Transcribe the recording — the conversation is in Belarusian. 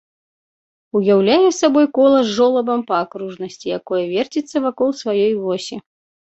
Уяўляе сабой кола з жолабам па акружнасці, якое верціцца вакол сваёй восі.